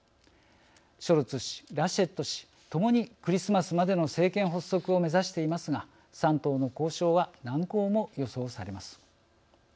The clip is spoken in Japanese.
ショルツ氏、ラシェット氏ともにクリスマスまでの政権発足を目指していますが３党の交渉は難航も予想されます。